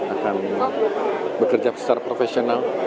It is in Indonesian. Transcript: akan bekerja secara profesional